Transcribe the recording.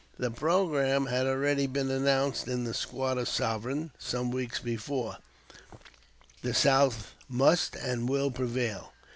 The programme had already been announced in the "Squatter Sovereign" some weeks before. "The South must and will prevail.